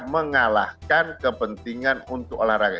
tidak boleh mengalahkan kepentingan untuk olahraga